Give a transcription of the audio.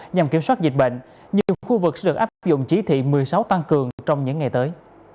nhằm kiểm soát dịch bệnh nhiều khu vực sẽ áp dụng chỉ thị một mươi sáu tăng cường trong những ngày tới